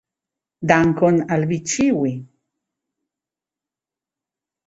Dankon al vi ĉiuj!